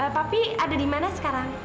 papi ada dimana sekarang